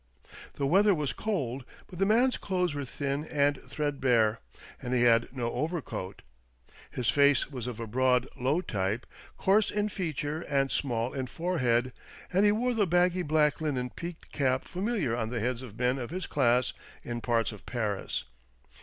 The weather was cold, but the man's clothes were thin and threadbare, and he had no overcoat. His face was of a broad, low type, coarse in feature and small in forehead, and he wore the baggy black linen peaked cap familiar on the heads of men of his class in parts of Paris.